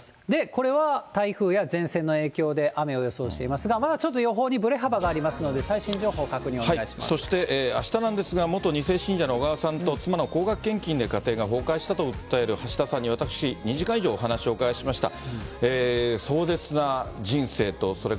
これは台風や前線の影響で雨を予想していますが、まだちょっと予報にぶれ幅がありますので、最新情報、確認お願いそしてあしたなんですが、元２世信者の小川さんと妻の高額献金で家庭が崩壊したと訴える橋田さんに私、２時間以上お話をお伺いしました。